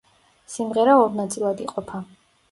სიმღერა ორ ნაწილად იყოფა.